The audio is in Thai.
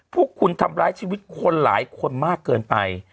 พวกคุณทำร้ายชีวิตคนหลายคนมากเกินไป